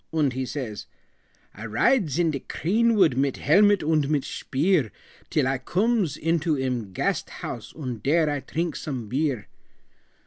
Und he says, "I rides in de creenwood Mit helmet und mit shpeer, Till I cooms into em Gasthuas, Und dere I trinks some beer."